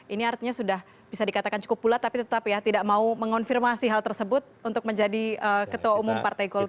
ini artinya sudah bisa dikatakan cukup bulat tapi tetap ya tidak mau mengonfirmasi hal tersebut untuk menjadi ketua umum partai golkar